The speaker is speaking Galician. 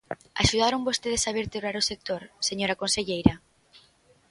¿Axudaron vostedes a vertebrar o sector, señora conselleira?